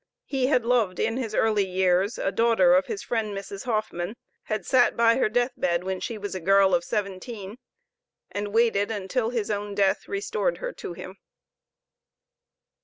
He had loved in his early years a daughter of his friend Mrs. Hoffman, had sat by her death bed when she was a girl of seventeen, and waited until his own death restored her to him.